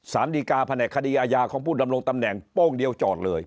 สารดีกาแผนกคดีอาญาของผู้ดำรงตำแหน่งโป้งเดียวจอดเลย